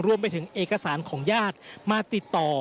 รวมไปถึงเอกสารของญาติมาติดต่อ